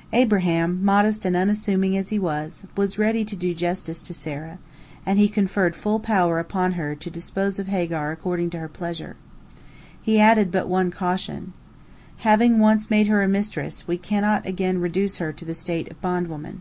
" Abraham, modest and unassuming as he was, was ready to do justice to Sarah, and he conferred full power upon her to dispose of Hagar according to her pleasure. He added but one caution, "Having once made her a mistress, we cannot again reduce her to the state of a bondwoman."